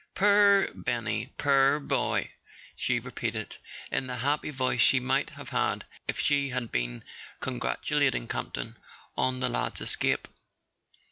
"Poor Benny, poor boy !" she repeated, in the happy voice she might have had if she had been congratulat¬ ing Campton on the lad's escape.